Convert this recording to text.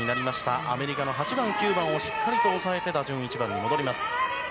アメリカの８番、９番をしっかり抑えて打順１番に戻ります。